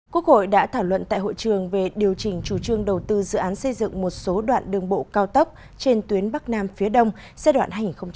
quốc hội đã thảo luận tại hội trường về điều chỉnh chủ trương đầu tư dự án xây dựng một số đoạn đường bộ cao tốc trên tuyến bắc nam phía đông giai đoạn hai nghìn một mươi sáu hai nghìn hai mươi